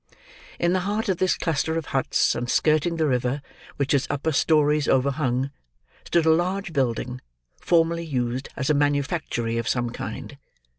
In the heart of this cluster of huts; and skirting the river, which its upper stories overhung; stood a large building, formerly used as a manufactory of some kind.